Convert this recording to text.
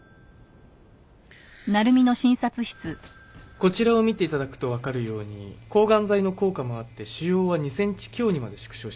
☎こちらを見ていただくと分かるように抗ガン剤の効果もあって腫瘍は２センチ強にまで縮小しました。